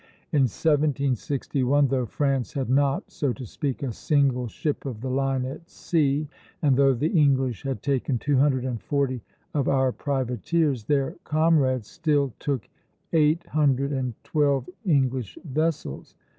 In 1761, though France had not, so to speak, a single ship of the line at sea, and though the English had taken two hundred and forty of our privateers, their comrades still took eight hundred and twelve English vessels.